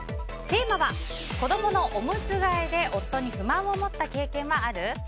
テーマは子供のオムツ替えで夫に不満を持った経験はある？